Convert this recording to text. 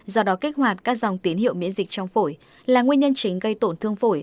do đó kích hoạt các dòng tín hiệu miễn dịch trong phổi là nguyên nhân chính gây tổn thương phổi